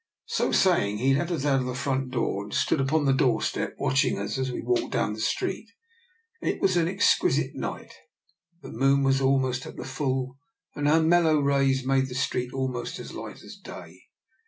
" So saying, he let us out by the front door, and stood upon the doorstep watching us as we walked down the street. It was an ex quisite night. The moon was almost at the full, and her mellow rays made the street al most as light as day.